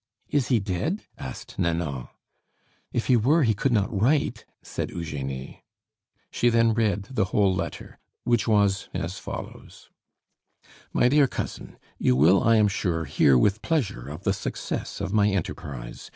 "Is he dead?" asked Nanon. "If he were, he could not write," said Eugenie. She then read the whole letter, which was as follows: My dear Cousin, You will, I am sure, hear with pleasure of the success of my enterprise.